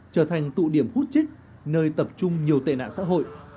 trở thành tụ điểm hút chích nơi tập trung nhiều tệ nạn xã hội